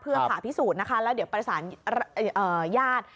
เพื่อผ่าพิสูจน์นะคะแล้วเดี๋ยวประสานญาติ